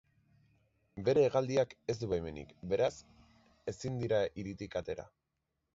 Bere hegaldiak ez du baimenik, beraz ezin dira hiritik atera.